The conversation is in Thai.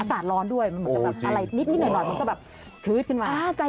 อารมณ์มันขึ้นง่ายใช่